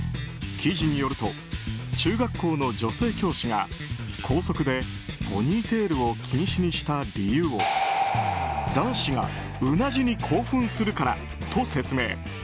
記事によると中学校の女性教師が校則でポニーテールを禁止にした理由を男子がうなじに興奮するからと説明。